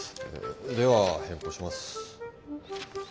では変更します。